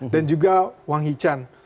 dan juga wang hee chan